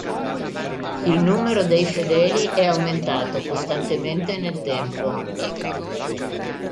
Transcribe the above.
Il numero dei fedeli è aumentato costantemente nel tempo.